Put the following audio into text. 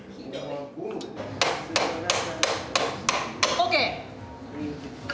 ＯＫ！